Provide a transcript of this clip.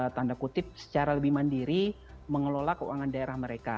tanda kutip secara lebih mandiri mengelola keuangan daerah mereka